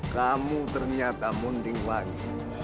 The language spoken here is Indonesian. kamu ternyata munting wangi